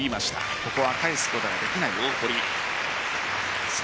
ここは返すことができない大堀。